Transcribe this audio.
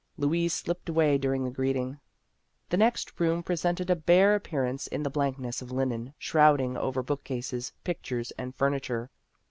Louise slipped away during the greeting. The next room presented a bare ap pearance in the blankness of linen shroud ing pver bookcases, pictures, and furniture.